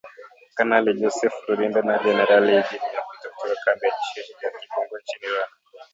Kanali Joseph Rurindo na Generali Eugene Nkubito, kutoka kambi ya kijeshi ya Kibungo nchini Rwanda.